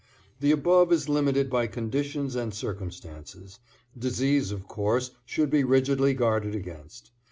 The above is limited by conditions and circumstances. Disease, of course, should be rigidly guarded against.